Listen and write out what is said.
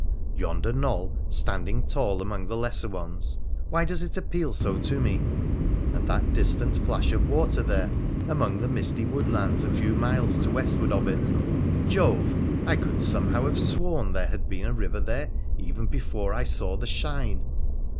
Yonder knoll, standing tall among the lesser ones — why does it appeal so to me ? And that distant flash of water there among the misty woodlands a few miles to westward of it ? Jove ! I could, somehow, have sworn there had been a river there even before I saw the shine.